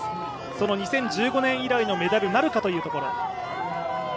その２０１５年以来のメダルなるかというところ。